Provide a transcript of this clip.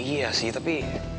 iya sih tapi